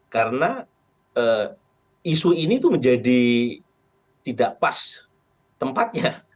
karena isu ini tuh menjadi tidak pas tempatnya